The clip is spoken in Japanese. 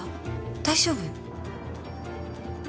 大丈夫？